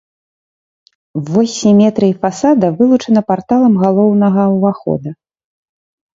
Вось сіметрыі фасада вылучана парталам галоўнага ўвахода.